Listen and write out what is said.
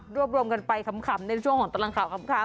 รวบรวมกันไปคำขำในช่วงของตลังข่าวคำขำ